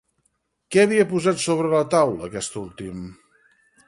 Què havia posat sobre la taula, aquest últim?